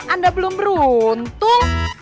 anda belum beruntung